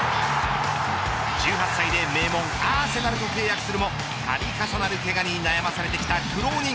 １８歳で名門アーセナルと契約するも度重なるけがに悩まされていた苦労人。